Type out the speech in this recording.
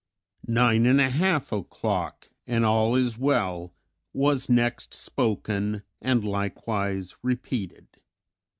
"Nine and a half o'clock and all is well," was next spoken, and likewise repeated.